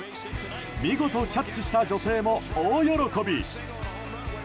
見事キャッチした女性も大喜び。